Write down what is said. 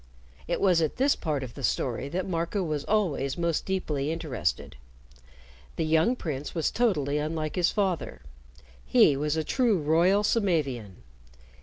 It was at this part of the story that Marco was always most deeply interested. The young prince was totally unlike his father. He was a true royal Samavian.